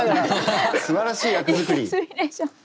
すばらしい役作り。